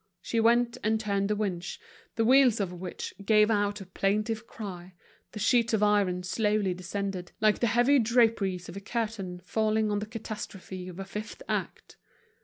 She went and turned the winch, the wheels of which gave out a plaintive cry, the sheets of iron slowly descended, like the heavy draperies of a curtain falling on the catastrophe of a fifth act.